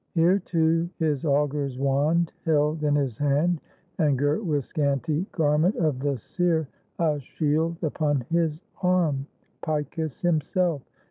Here too, his augur's wand held in his hand, And girt with scanty garment of the seer, A shield upon his arm, Picus himself.